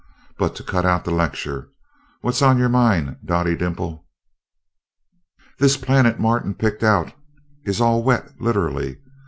But to cut out the lecture, what's on your mind, Dottie Dimple?" "This planet Martin picked out is all wet, literally.